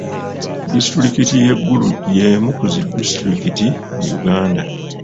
Disitulikiti y'e Gulu y'emu ku zi disitulikiti mu Uganda.